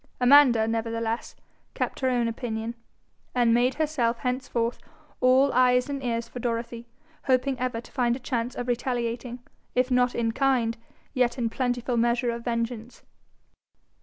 Amanda, nevertheless, kept her own opinion, and made herself henceforth all eyes and ears for Dorothy, hoping ever to find a chance of retaliating, if not in kind yet in plentiful measure of vengeance.